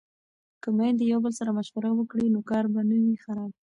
که میندې یو بل سره مشوره وکړي نو کار به نه وي خراب.